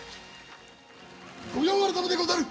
御用改めでござる。